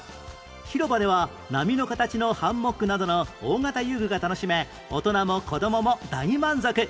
広場では波の形のハンモックなどの大型遊具が楽しめ大人も子供も大満足